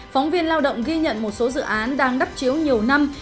phóng viên lao động ghi nhận một số dự án đang đắp chiếu nhiều năm